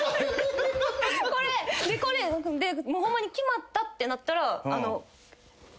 これホンマに決まったってなったら。